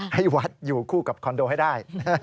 ให้วัดอยู่คู่กับคอนโดให้ได้